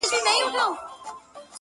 چي كوڅې يې وې ښايستې په پېغلو حورو.!